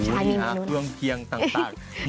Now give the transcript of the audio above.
อื้ออื้ออื้อเครื่องเคียงต่างมากมาก